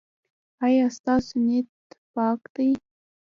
ایا ستاسو نیت پاک دی؟